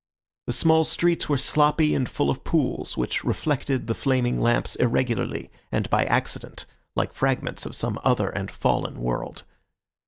The small streets were sloppy and full of pools, which reflected the flaming lamps irregularly, and by accident, like fragments of some other and fallen world.